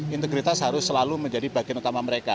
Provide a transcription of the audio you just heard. integritas harus selalu menjadi bagian utama mereka